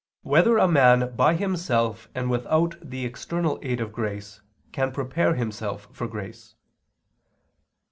6] Whether a Man, by Himself and Without the External Aid of Grace, Can Prepare Himself for Grace?